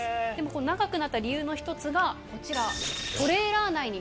長くなった理由の一つがこちら。